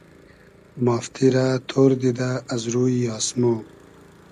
مافتی رۂ تۉر دیدۂ از روی آسمۉ